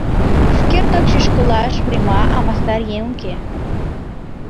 Шукертак шӱшкылаш врема, а мастар еҥ уке.